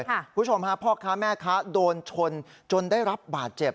คุณผู้ชมฮะพ่อค้าแม่ค้าโดนชนจนได้รับบาดเจ็บ